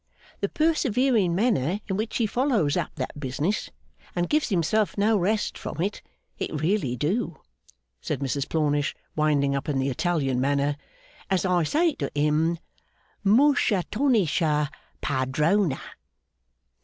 The persevering manner in which he follows up that business, and gives himself no rest from it it really do,' said Mrs Plornish, winding up in the Italian manner, 'as I say to him, Mooshattonisha padrona.